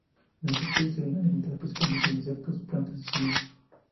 Esta especie se alimenta principalmente de insectos, plantas y semillas.